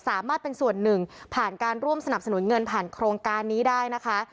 สามารถเป็นส่วนหนึ่งผ่านการร่วมสนับสนุนเงินผ่านโครงการนี้ได้นะคะ